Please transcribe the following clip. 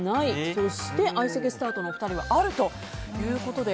そして相席スタートのお二人はあるということで。